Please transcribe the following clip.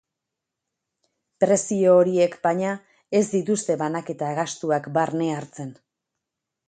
Prezio horiek, baina, ez dituzte banaketa gastuak barne hartzen.